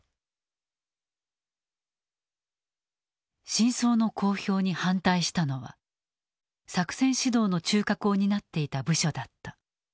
真相の公表に反対したのは作戦指導の中核を担っていた部署だった。